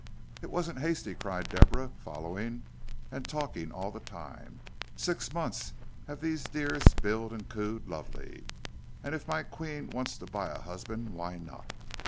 "It wasn't hasty," cried Deborah, following and talking all the time; "six months have them dears billed and cooed lovely, and if my queen wants to buy a husband, why not?